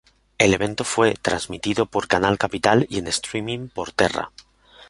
El evento fue transmitido por Canal Capital y en streaming por Terra.